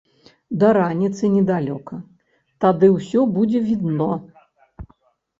Да раніцы недалёка, тады ўсё будзе відно.